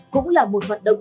cũng là một hoạt động